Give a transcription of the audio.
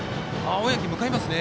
小宅、向かいますね。